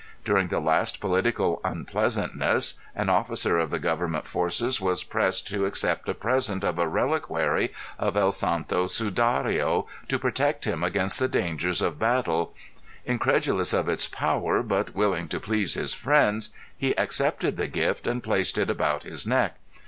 During the last political unpleasantness an officer of the government forces was pressed to accept a present of a reliquary of El Santo Sudario to protect him against the dangers of battle incredulous of its power but willing to please his friend he accepted the gift and placed it about his neck.